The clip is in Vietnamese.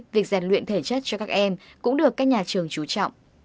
việc rèn luyện thể chất cho các em cũng được các nhà trường trú trọng